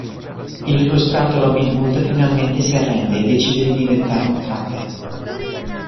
Il frustrato Robin Hood finalmente si arrende e decide di diventare un frate.